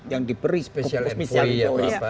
yang diberi special employee